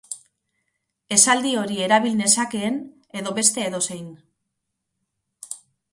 Esaldi hori erabil nezakeen edo beste edozein.